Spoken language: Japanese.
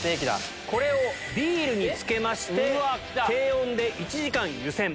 これをビールに漬けまして低温で１時間湯煎。